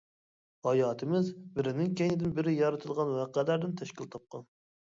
ھاياتىمىز بىرىنىڭ كەينىدىن بىرى يارىتىلغان ۋەقەلەردىن تەشكىل تاپقان.